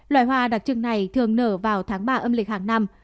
loài hoa đặc trưng này thường nở vào tháng ba âm lịch hàng năm